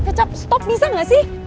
kecap stop bisa gak sih